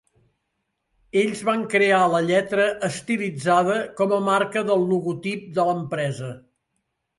Ells van crear la lletra estilitzada com a marca del logotip de l'empresa.